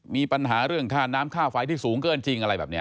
มีปัญหาเรื่องค่าน้ำค่าไฟที่สูงเกินจริงอะไรแบบนี้